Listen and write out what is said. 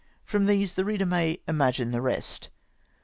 From these the reader may imagine the rest.